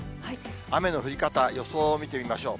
雨の降り方、予想を見てみましょう。